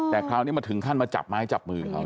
แต่คราวนี้มาถึงขั้นมาจับไม้จับมือเขา